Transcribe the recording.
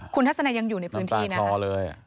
คุณทัศนัยยังอยู่ในพื้นที่นะ